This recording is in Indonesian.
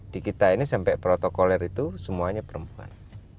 di kita ini sampai protokoler itu semuanya perempuan